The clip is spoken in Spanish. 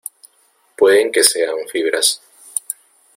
pueden que sean fibras.